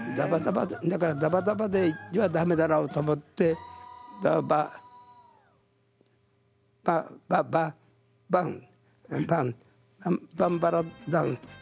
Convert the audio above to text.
だからダバダバではダメだろうと思ってダバババババンバンバンバラダン。